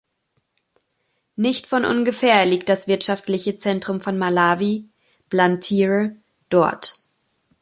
Nicht von ungefähr liegt das wirtschaftliche Zentrum von Malawi, Blantyre, dort.